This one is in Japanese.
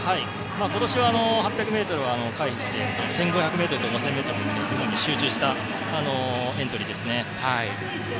今年は８００ｍは回避して１５００ｍと５０００ｍに集中したエントリーですね。